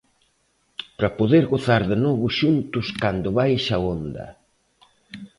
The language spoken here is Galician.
Para poder gozar de novo xuntos cando baixe a onda.